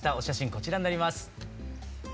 こちらになります。